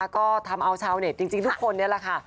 ก็ทำเอาชาวเน็ตจริงทุกคนนี่แหละค่ะ